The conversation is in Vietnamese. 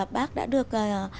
bác đã được